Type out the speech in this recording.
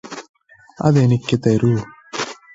അതെനിക്ക് തരൂ